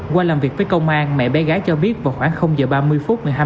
qua làm việc với công an mẹ bé gái cho biết vào khoảng giờ ba mươi phút